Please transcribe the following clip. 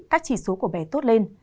các chỉ số của bé tốt lên